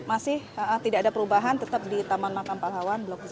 masih tidak ada perubahan tetap di taman makam pahlawan blok b